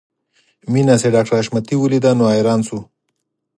مينه چې ډاکټر حشمتي وليده نو حیران شو